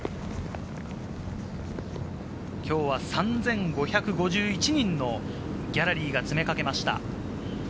きょうは３５５１人のギャラリーが詰めかけました。